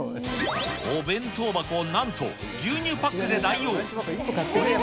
お弁当箱を、なんと牛乳パックで代用。